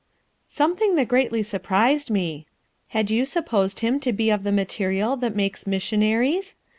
"Something that greatly surprised me. Had you supposed him to be of the material that makes missionaries?